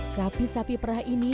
sapi sapi perah ini